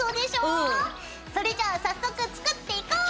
それじゃあ早速作っていこう！